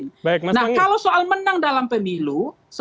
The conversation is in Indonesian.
nah kalau soal menang dalam pemilu